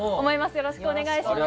よろしくお願いします。